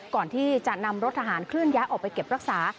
ก่อนที่จะนำรถทหารเคลื่อนย้ายออกไปเก็บรักษา